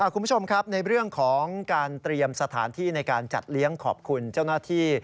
คุณผู้ชมครับในเรื่องของการเตรียมสถานที่ในการจัดเลี้ยงขอบคุณเจ้าหน้าที่